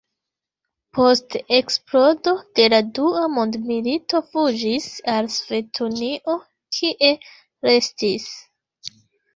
Post eksplodo de la dua mondmilito fuĝis al Sovetunio, kie restis.